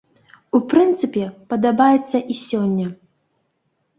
У прынцыпе, падабаецца і сёння.